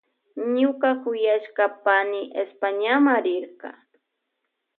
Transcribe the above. Ñuka kuyashka pani Españama rirka.